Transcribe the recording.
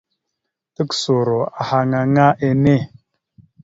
Tukəsoro ahaŋ aŋa enne.